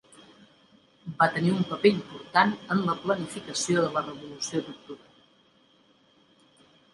Va tenir un paper important en la planificació de la Revolució d'Octubre.